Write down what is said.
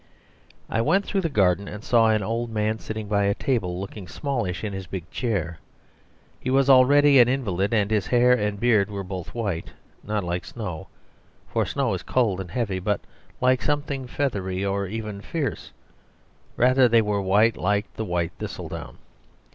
I went through the garden and saw an old man sitting by a table, looking smallish in his big chair. He was already an invalid, and his hair and beard were both white; not like snow, for snow is cold and heavy, but like something feathery, or even fierce; rather they were white like the white thistledown.